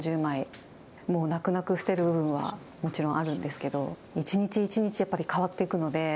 もう泣く泣く捨てる部分はもちろんあるんですけど一日一日やっぱり変わっていくので。